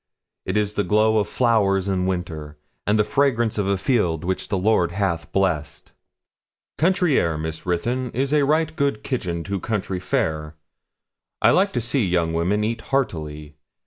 It is the glow of flowers in winter, and the fragrance of a field which the Lord hath blessed.' 'Country air, Miss Ruthyn, is a right good kitchen to country fare. I like to see young women eat heartily.